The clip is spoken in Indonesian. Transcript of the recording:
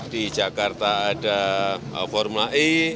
di jakarta ada formula e